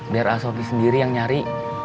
biar a sobri sendiri yang nyari